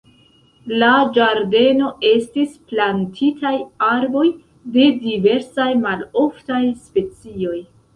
La ĝardeno estis plantitaj arboj de diversaj maloftaj specioj.